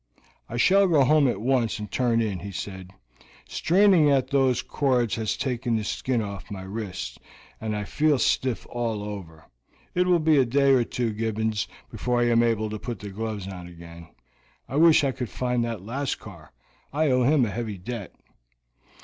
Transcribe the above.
"I shall go home at once, and turn in," he said. "Straining at those cords has taken the skin off my wrists, and I feel stiff all over; it will be a day or two, Gibbons, before I am able to put the gloves on again. I wish I could find that Lascar; I owe him a heavy debt."